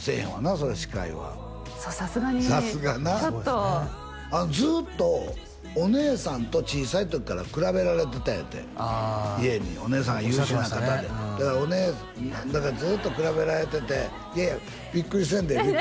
そりゃ司会はそうさすがにちょっとさすがなずーっとお姉さんと小さい時から比べられてたんやてああお姉さんが優秀な方でだからずーっと比べられてていやいやビックリせんでええ